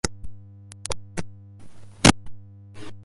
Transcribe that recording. উঠাও সবগুলো কে গাড়িতে!